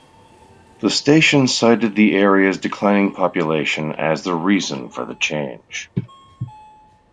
The station cited the area's declining population as the reason for the change.